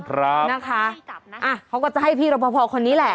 เป็นคนที่จะไม่ให้ใจกับอาเขาก็จะให้พี่รอบพอคนนี้แหละ